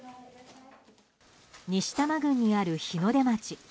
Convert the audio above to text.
西多摩郡にある日の出町。